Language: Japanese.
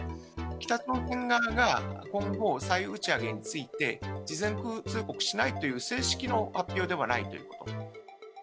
北朝鮮側が今後、再打ち上げについて事前通告しないという正式の発表ではないということ。